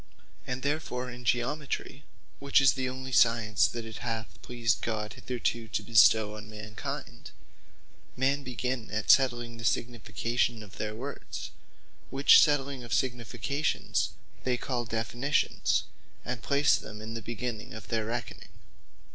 And therefore in Geometry, (which is the onely Science that it hath pleased God hitherto to bestow on mankind,) men begin at settling the significations of their words; which settling of significations, they call Definitions; and place them in the beginning of their reckoning.